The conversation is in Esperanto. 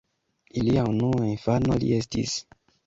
Ilia unua infano li estis.